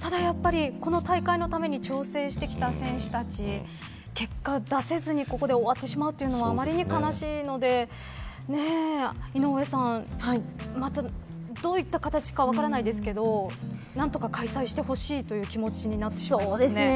ただ、やっぱりこの大会のために調整してきた選手たち結果を出せずにここで終わってしまうというのはあまりに悲しいので井上さん、どういった形か分からないですけど何とか開催してほしいという気持ちになってしまいますね。